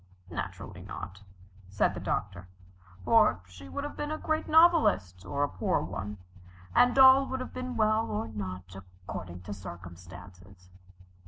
"Naturally not," said the Doctor, "for she would have been a great novelist, or a poor one, and all would have been well, or not, according to circumstances."